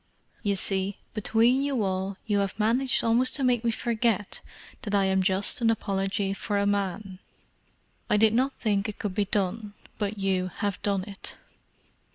You see, between you all you have managed almost to make me forget that I am just an apology for a man. I did not think it could be done, but you have done it.